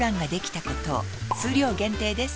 数量限定です